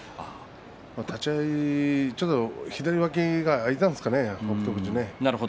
立ち合い、ちょっと左脇が開いたんですかね、北勝富士。